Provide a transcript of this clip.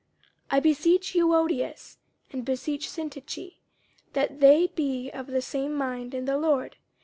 50:004:002 I beseech Euodias, and beseech Syntyche, that they be of the same mind in the Lord.